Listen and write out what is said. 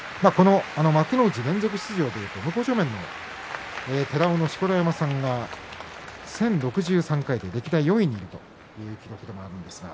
幕内連続出場というと向正面の寺尾、錣山さんが１０６３回歴代４位にいるという記録もあります。